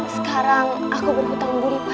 sekarang aku berhutang budi